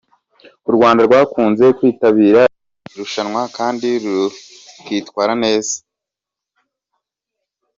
U Rwanda rwakunze kwitabira iri rushanwa kandi rukitwara neza.